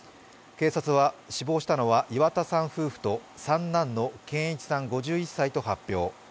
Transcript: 警察は死亡したのは岩田さん夫婦と三男の健一さん５１歳と発表。